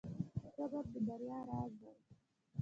• صبر د بریا راز دی.